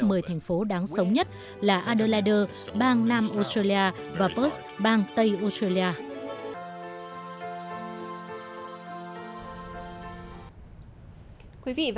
mười thành phố đáng sống nhất là adelaide bang nam australia và perth bang tây australia